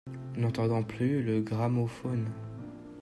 N'entendant plus le gramophone.